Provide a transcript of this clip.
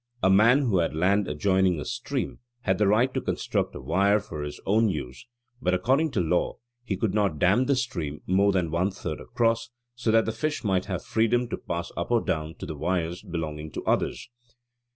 A man who had land adjoining a stream had the right to construct a weir for his own use: but according to law, he could not dam the stream more than one third across, so that the fish might have freedom to pass up or down to the weirs belonging to others.